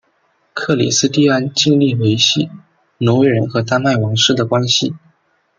克里斯蒂安尽力维系挪威人和丹麦王室的关系。